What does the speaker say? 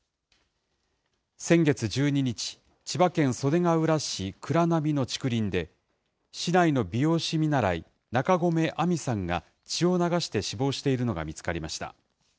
先月１２日、千葉県袖ケ浦市蔵波の竹林で市内の美容師見習い、中込愛美さんが血を流して死亡しているのが見つかりました。